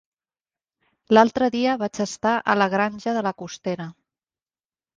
L'altre dia vaig estar a la Granja de la Costera.